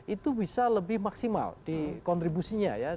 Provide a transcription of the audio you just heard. itu bisa lebih maksimal di kontribusinya ya